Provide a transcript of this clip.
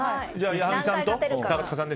矢作さんと高塚さんで。